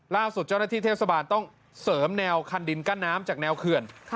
ล่าสุดเจ้าหน้าที่เทศบาลต้องเสริมแนวคันดินกั้นน้ำจากแนวเขื่อน